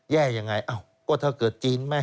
แย่ยังไงอ้าวก็ถ้าเกิดจีนไหม